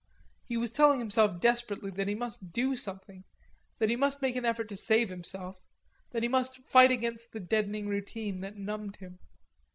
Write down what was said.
He was telling himself desperately that he must do something that he must make an effort to save himself, that he must fight against the deadening routine that numbed him.